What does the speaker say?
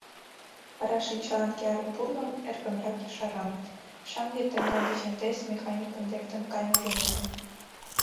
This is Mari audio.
Вара шинчалан киярым пурлын, эркынрак ешара: — Шаҥге тендан деч МТС механикын лектын каймыжым ужым.